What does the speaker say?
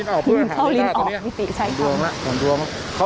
มโอ๊ะจะใหม่อะ